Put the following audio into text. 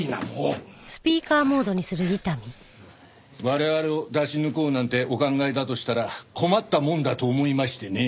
我々を出し抜こうなんてお考えだとしたら困ったもんだと思いましてね。